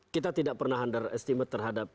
kita tidak pernah underestimate terhadap